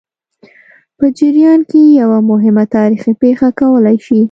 په جریان کې یوه مهمه تاریخي پېښه کولای شي.